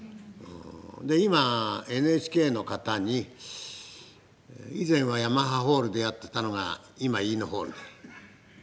で今ＮＨＫの方に以前はヤマハホールでやってたのが今イイノホールだ。